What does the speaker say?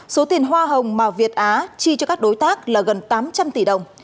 số tiền hoa hồng mà việt á chi cho các đối tác là gần tám trăm linh tỷ đồng